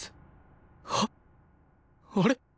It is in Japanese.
はっ！？あれ？